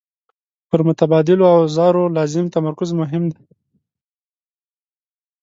پر متبادلو اوزارو لازم تمرکز مهم دی.